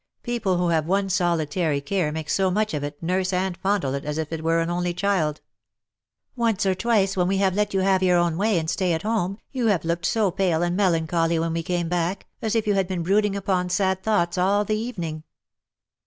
People who have one solitary care make so much of it, nurse and fondle it, as if it were an only child. ^^ Once or CUPID AND PSYCHE. 209 twice when we have let you have your own way and stay at home^ you have looked so pale and melan choly when we came back, as if you had been brooding upon sad thoughts all the evening."